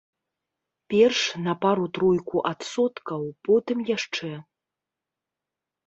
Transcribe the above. Перш на пару-тройку адсоткаў, потым яшчэ.